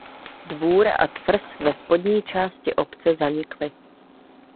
Dvůr a tvrz ve spodní části obce zanikly.